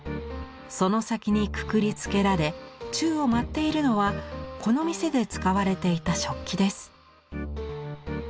その先にくくりつけられ宙を舞っているのはこの店で使われていた食器です。